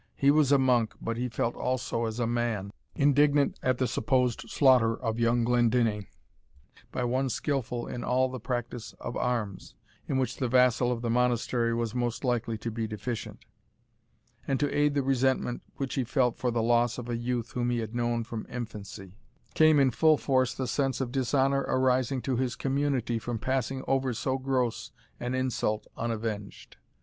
He was a monk, but he felt also as a man, indignant at the supposed slaughter of young Glendinning by one skilful in all the practice of arms, in which the vassal of the Monastery was most likely to be deficient; and to aid the resentment which he felt for the loss of a youth whom he had known from infancy, came in full force the sense of dishonour arising to his community from passing over so gross an insult unavenged.